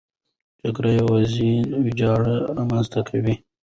جګړې یوازې ویجاړي رامنځته کوي.